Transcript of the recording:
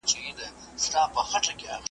تاسي ولي دونه لیري ناست یاست نژدې راسئ.